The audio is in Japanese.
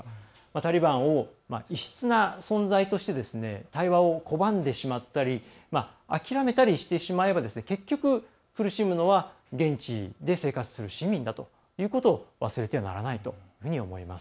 タリバンを異質な存在として対話を拒んでしまったり諦めたりしてしまえば結局、苦しむのは現地で生活する市民だということを忘れてはならないというふうに思います。